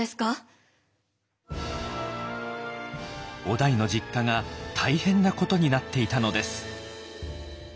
於大の実家が大変なことになっていたのです。